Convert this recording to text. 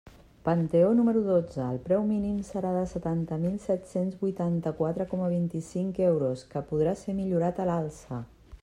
Panteó número dotze: el preu mínim serà de setanta mil set-cents vuitanta-quatre coma vint-i-cinc euros, que podrà ser millorat a l'alça.